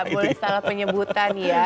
boleh salah penyebutan ya